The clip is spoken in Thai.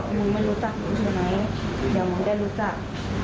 หนูไม่รู้จักหนูใช่ไหมเดี๋ยวหมอไม่ได้รู้จัก